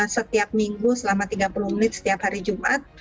setiap minggu selama tiga puluh menit setiap hari jumat